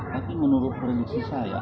tapi menurut prediksi saya